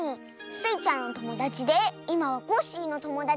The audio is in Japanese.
スイちゃんのともだちでいまはコッシーのともだちでもあります。